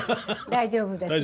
大丈夫ですか。